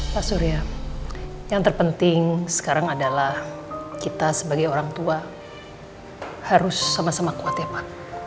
pak surya yang terpenting sekarang adalah kita sebagai orang tua harus sama sama kuat ya pak